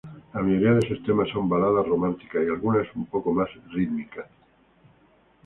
La mayoría de sus temas son baladas románticas y algunas un poco más rítmicas.